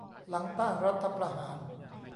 หลังต้านรัฐประหาร